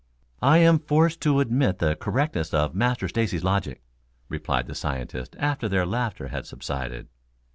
"I am forced to admit the correctness of Master Stacy's logic," replied the scientist, after their laughter had subsided.